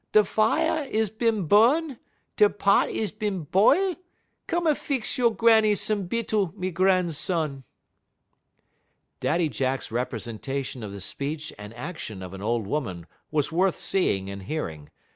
Da fier is bin bu'n, da pot is bin b'ile; come a fix you' Granny some bittle, me gran'son.'" Daddy Jack's representation of the speech and action of an old woman was worth seeing and hearing.